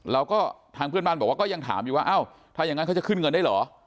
แล้วก็ทางเพื่อนบ้านบอกว่าก็ยังถามอยู่ว่าอ้าวถ้าอย่างนั้นเขาจะขึ้นเงินได้เหรอ